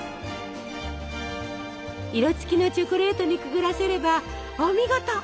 色つきのチョコレートにくぐらせればお見事！